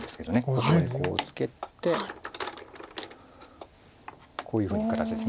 ここへこうツケてこういうふうに形です。